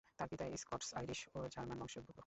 তার পিতা স্কটস-আইরিশ ও জার্মান বংশোদ্ভূত।